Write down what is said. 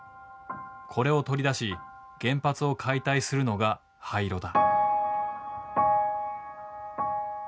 これを取り出し原発を解体するのが廃炉だ。